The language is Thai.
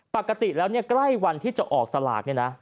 ปกติแล้วใกล้วันที่จะออกสลาด